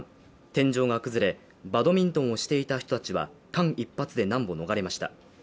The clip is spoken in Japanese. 天井が崩れ、バドミントンをしていた人たちは間一髪で難を逃れました。